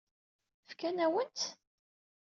Fkan-awen-tt?